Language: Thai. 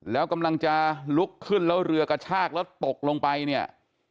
แล้วกำลังจะลุกขึ้นแล้วเรือกระชากแล้วตกลงไปเนี่ย